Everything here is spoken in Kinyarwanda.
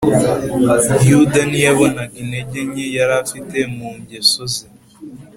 yuda ntiyabonaga intege nke yari afite mu ngeso ze